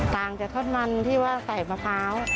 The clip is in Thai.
ต่างจากทดมันที่ว่าใส่มะพร้าว